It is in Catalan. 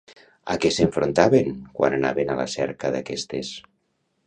A què s'enfrontaven quan anaven a la cerca d'aquestes?